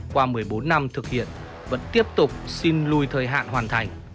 qua một mươi bốn năm thực hiện vẫn tiếp tục xin lùi thời hạn hoàn thành